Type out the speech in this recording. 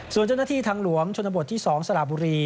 ส่วนเจ้าหน้าที่ทางหลวงชนบทที่๒สระบุรี